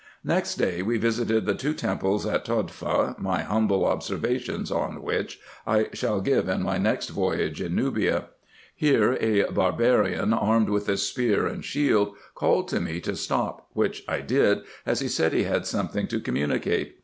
Next day we visited the two temples at Todfa, my humble ob IN EGYPT, NUBIA, 8cc. 103 servations on which I shall give in my next voyage in Nubia. Here a barbarian, armed with a spear and shield, called to me to stop, which I did, as he said he had something to communicate.